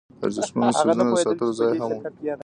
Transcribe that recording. د ارزښتمنو څیزونو د ساتلو ځای هم و.